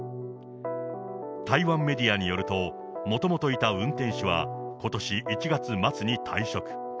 台湾メディアによると、もともといた運転手は、ことし１月末に退職。